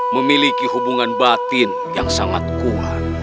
memiliki hubungan batin yang sangat kuat